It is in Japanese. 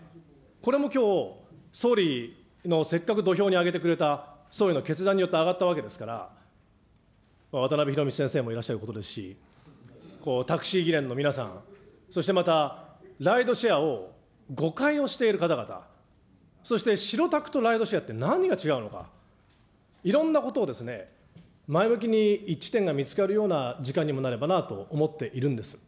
これもきょう、総理のせっかく土俵に上げてくれた総理の決断によって上がったわけですから、わたなべ先生もいらっしゃることですし、タクシー議連の皆さん、そしてまたライドシェアを誤解をしている方々、そして白タクとライドシェアって何が違うのか、いろんなことを前向きに一致点が見つかるような時間にもなればなと思っているんです。